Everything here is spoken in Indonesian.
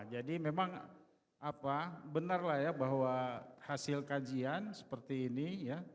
jadi memang benar lah ya bahwa hasil kajian seperti ini ya